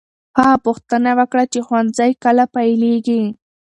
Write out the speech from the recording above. هغه پوښتنه وکړه چې ښوونځی کله پیلېږي.